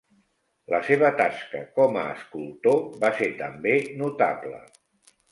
La seva tasca com a escultor va ser també notable.